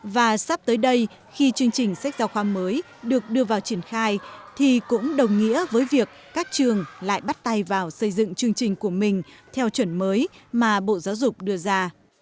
và sắp tới đây khi chương trình sách giáo khoa mới được đưa vào triển khai thì cũng đồng nghĩa với việc các trường lại bắt tay vào xây dựng chương trình của mình theo chuẩn mới mà bộ giáo dục đưa ra